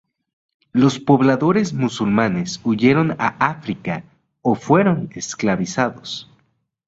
Los pobladores musulmanes huyeron a África o fueron esclavizados.